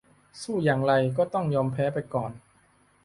สู้อย่างไรก็ต้องยอมแพ้ไปก่อน